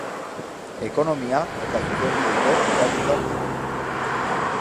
Ekonomia eta Zuzenbideko ikasketak ditu.